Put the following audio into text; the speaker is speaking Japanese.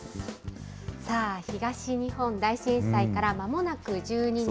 さあ、東日本大震災からまもなく１２年。